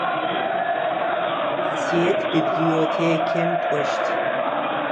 Асыет библиотекэм кӏощт.